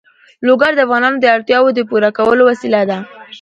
لوگر د افغانانو د اړتیاوو د پوره کولو وسیله ده.